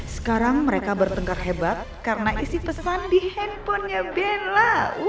sekarang mereka bertengkar hebat karena isi pesan di handphonenya benla